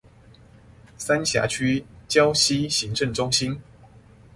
三峽區礁溪行政中心